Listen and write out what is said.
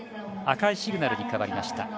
赤いシグナルに変わりました。